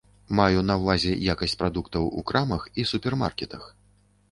Маю на ўвазе якасць прадуктаў у крамах і супермаркетах.